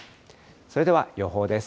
それでは予報です。